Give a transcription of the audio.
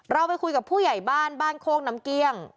เราไปคุยกับผู้ใหญ่บ้านบ้านโคกน้ำเกลี้ยง